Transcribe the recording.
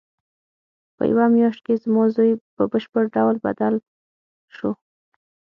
په یوه میاشت کې زما زوی په بشپړ ډول بدل شو